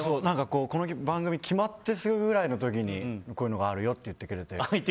この番組決まってすぐくらいの時にこういうのがあるよって言ってくれて。